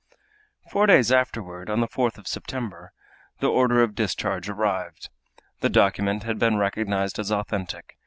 Four days afterward, on the fourth of September, the order of discharge arrived. The document had been recognized as authentic.